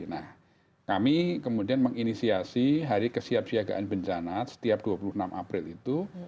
nah kami kemudian menginisiasi hari kesiapsiagaan bencana setiap dua puluh enam april itu